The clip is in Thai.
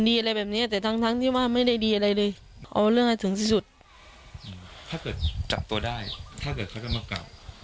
ถ้าเกิดเขาก็มากลับขอเขามาส่งพี่หมีเราอยากให้มาเราอบศิกรรมให้เขา